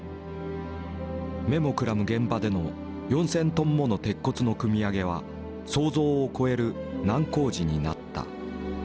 目もくらむ現場での４，０００トンもの鉄骨の組み上げは想像を超える難工事になった。